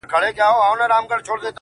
يې ه ځكه مو په شعر كي ښكلاگاني دي.